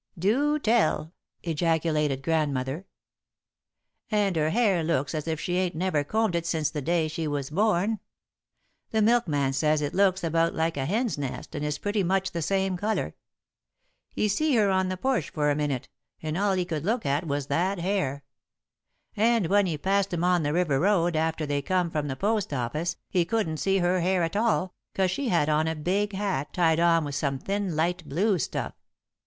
"Do tell!" ejaculated Grandmother. "And her hair looks as if she ain't never combed it since the day she was born. The milkman says it looks about like a hen's nest and is pretty much the same colour. He see her on the porch for a minute, and all he could look at was that hair. And when he passed 'em on the river road after they come from the post office, he couldn't see her hair at all, cause she had on a big hat tied on with some thin light blue stuff.